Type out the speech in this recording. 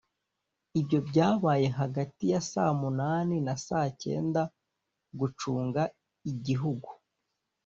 Ibyo byabaye hagati ya saa munani na saa cyenda gucunga igihugu